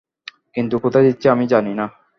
কিন্তু কোথায় দিচ্ছি আমি জানি না।